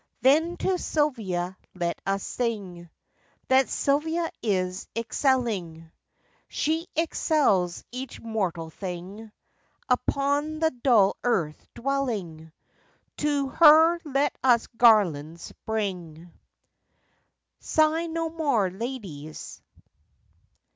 Then to Silvia let us sing, That Silvia is excelling; She excels each mortal thing Upon the dull earth dwelling: To her let us garlands bring. William Shakespeare. SIGH NO MORE, LADIES.